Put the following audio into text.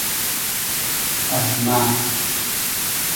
از مۂ